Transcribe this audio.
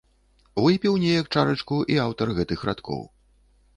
Выпіў неяк чарачку і аўтар гэтых радкоў.